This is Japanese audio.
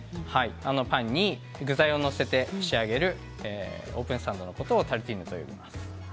パンに具材を載せて仕上げるオープンサンドのことをタルティーヌと呼びます。